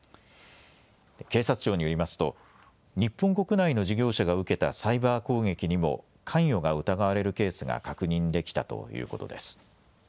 警察庁によりますと日本国内の事業者が受けたサイバー攻撃にも関与が疑われるケースが確認できたということです。